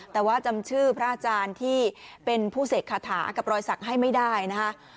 แต่ว่าจำชื่อพระอาจารย์ที่เป็นผู้เสกคาถากับรอยสักให้ไม่ได้นะคะ